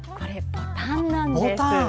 ボタンなんです！